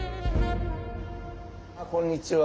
こんにちは。